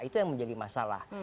itu yang menjadi masalah